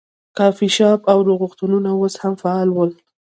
کافې شاپ او روغتونونه اوس هم فعال ول.